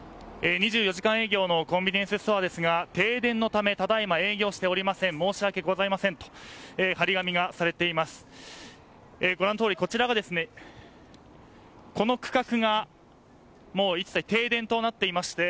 ２４時間営業のコンビニエンスストアが停電のためただ今営業しておりません申し訳ございませんと張り紙がされています。